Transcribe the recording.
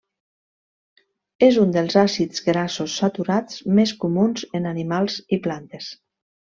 És uns dels àcids grassos saturats més comuns en animals i plantes.